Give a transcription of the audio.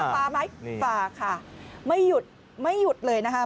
ฟ้าไหมฝาค่ะไม่หยุดไม่หยุดเลยนะคะ